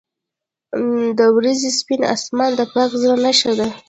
• د ورځې سپین آسمان د پاک زړه نښه ده.